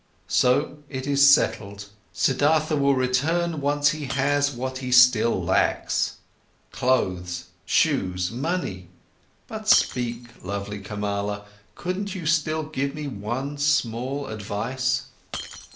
So it is settled: Siddhartha will return, once he'll have what he still lacks: clothes, shoes, money. But speak, lovely Kamala, couldn't you still give me one small advice?"